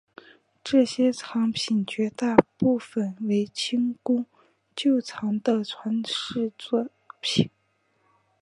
这些藏品绝大部分为清宫旧藏的传世作品。